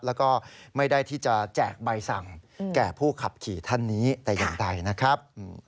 แล้วก็ไม่ได้ที่จะแจกใบสั่งแก่ผู้ขับขี่ท่านนี้แต่อย่างใดนะครับ